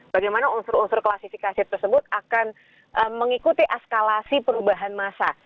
bagaimana unsur unsur klasifikasi tersebut akan mengikuti eskalasi perubahan masa